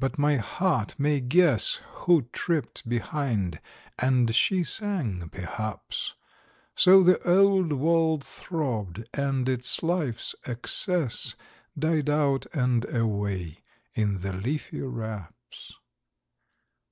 But my heart may guess Who tripped behind; and she sang perhaps: So, the old wall throbbed, and its life's excess Died out and away in the leafy wraps!